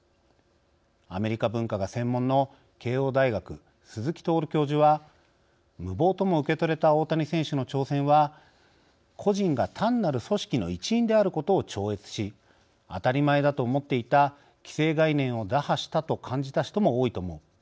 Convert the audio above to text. アメリカ文化が専門の慶應大学、鈴木透教授は「無謀とも受け取れた大谷選手の挑戦は、個人が単なる組織の一員であることを超越し当たり前だと思っていた既成概念を打破したと感じた人も多いと思う。